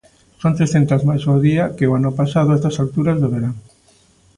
Son trescentas máis ao día que o ano pasado a estas alturas do verán.